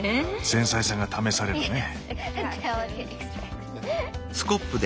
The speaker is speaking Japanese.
繊細さが試されるね。